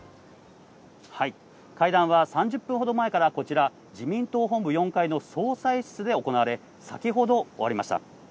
会談は３０分ほど前からこちら自民党本部４階の総裁室で行われ、先ほど終わりました。